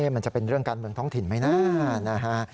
มันจะเป็นเรื่องการเมืองท้องถิ่นไหมนะ